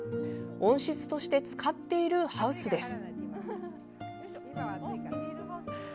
温室として使っているハウスです。